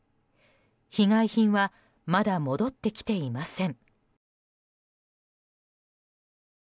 被害品はまだ戻ってきていません。